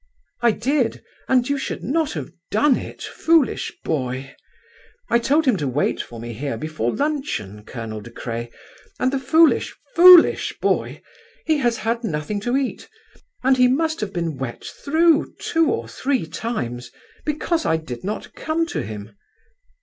"I did, and you should not have done it, foolish boy! I told him to wait for me here before luncheon, Colonel De Craye, and the foolish, foolish boy! he has had nothing to eat, and he must have been wet through two or three times: because I did not come to him!"